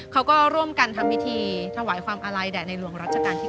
เขาก็ร่วมกันทำพิธีถวายความอาลัยแด่ในหลวงรัชกาลที่๙